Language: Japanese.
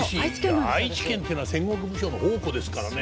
いや愛知県っていうのは戦国武将の宝庫ですからね。